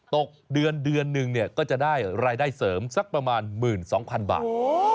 ตกเดือนเดือนหนึ่งก็จะได้รายได้เสริมสักประมาณ๑๒๐๐๐บาท